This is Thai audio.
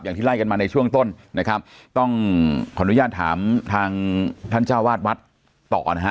ไล่กันมาในช่วงต้นนะครับต้องขออนุญาตถามทางท่านเจ้าวาดวัดต่อนะฮะ